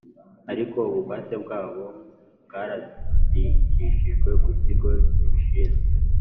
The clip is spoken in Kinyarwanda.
Ariko ubugwate bwabo bwarandikishijwe ku cyigo kibishinzwe